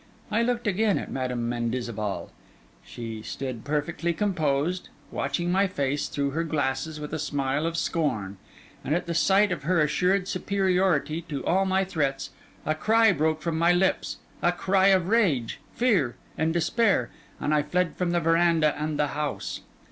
I looked again at Madam Mendizabal. She stood perfectly composed, watching my face through her glasses with a smile of scorn; and at the sight of her assured superiority to all my threats, a cry broke from my lips, a cry of rage, fear, and despair, and I fled from the verandah and the house.